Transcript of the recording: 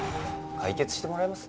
解決してもらえます？